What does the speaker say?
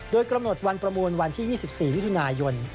โดยกำหนดวันประมูลวันที่๒๔มิถุนายน